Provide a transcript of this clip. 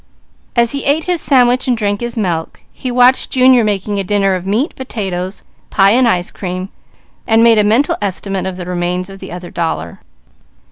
As he ate his sandwich and drank his milk, he watched Junior making a dinner of meat, potatoes, pie and ice cream, and made a mental estimate of the remains of the other dollar.